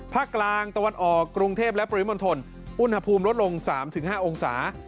ภาคกลางตะวันออกกรุงเทพและปริมณฑลอุณหภูมิลดลง๓๕องศา